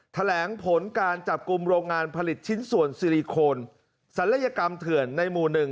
แถลงผลการจับกลุ่มโรงงานผลิตชิ้นส่วนซิลิโคนศัลยกรรมเถื่อนในหมู่หนึ่ง